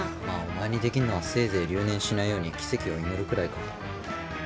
まあお前にできんのはせいぜい留年しないように奇跡を祈るくらいか。